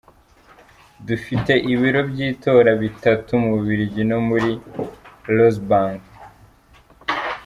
Dufite ibiro by’itora bitatu mu Bubiligi no muri Luxembourg.